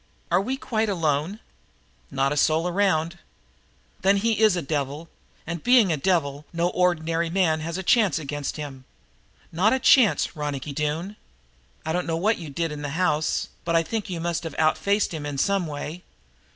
"Are we quite alone?" "Not a soul around." "Then he is a devil, and, being a devil, no ordinary man has a chance against him not a chance, Ronicky Doone. I don't know what you did in the house, but I think you must have outfaced him in some way.